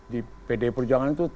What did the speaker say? di pd perjuangan itu